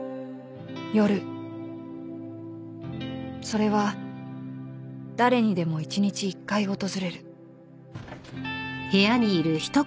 ［それは誰にでも一日一回訪れる］